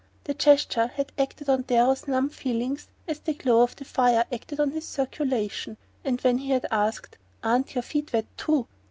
The gesture had acted on Darrow's numb feelings as the glow of the fire acted on his circulation; and when he had asked: "Aren't your feet wet, too?"